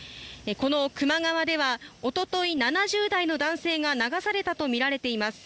この球磨川では一昨日、７０代の男性が流されたとみられています。